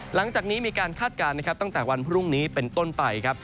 หลังจากนี้มีการคาดการณ์นะครับตั้งแต่วันพรุ่งนี้เป็นต้นไปครับ